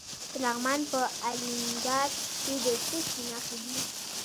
د لغمان په الینګار کې د څه شي نښې دي؟